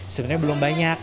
sebenarnya belum banyak